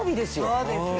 そうですよね。